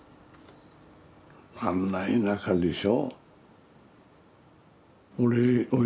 あんな田舎でしょ。